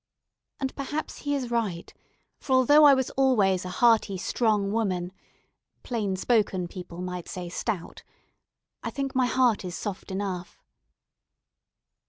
And perhaps he is right, for although I was always a hearty, strong woman plain spoken people might say stout I think my heart is soft enough.